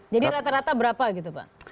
jadi rata rata berapa gitu pak